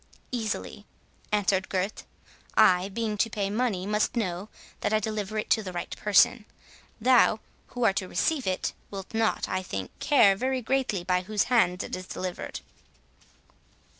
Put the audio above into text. "Easily," answered Gurth; "I, being to pay money, must know that I deliver it to the right person; thou, who are to receive it, will not, I think, care very greatly by whose hands it is delivered."